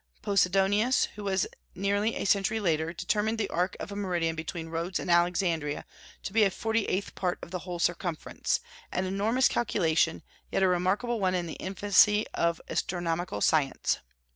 Posidonius, who was nearly a century later, determined the arc of a meridian between Rhodes and Alexandria to be a forty eighth part of the whole circumference, an enormous calculation, yet a remarkable one in the infancy of astronomical science.